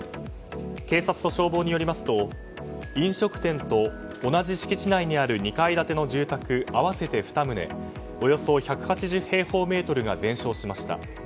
警察と消防によりますと飲食店と同じ敷地内にある２階建ての住宅合わせて２棟およそ１８０平方メートルが全焼しました。